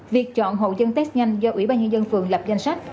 việc chọn hộ dân test nhanh do ủy ban nhân dân phường lập danh sách